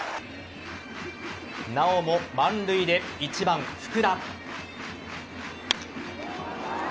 なおも満塁で１番・福田。